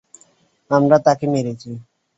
আমরা তাকে মেরেছি।